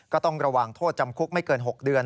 ก็ต้องระวังโทษจำคุกไม่เกิน๖เดือน